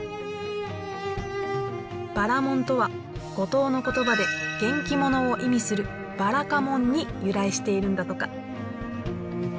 ばらもんとは五島の言葉で元気ものを意味するばらかもんに由来しているんだとか。